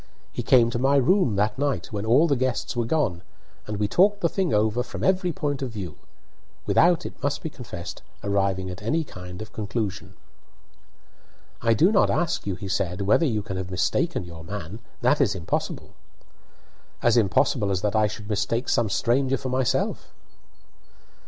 He came to my room that night, when all the guests were gone, and we talked the thing over from every point of view; without, it must be confessed, arriving at any kind of conclusion. "I do not ask you," he said," whether you can have mistaken your man. That is impossible." "As impossible as that I should mistake some stranger for yourself."